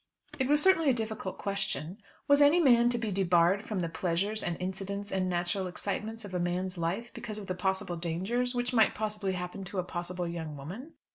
It was certainly a difficult question. Was any man to be debarred from the pleasures, and incidents, and natural excitements of a man's life because of the possible dangers which might possibly happen to a possible young woman?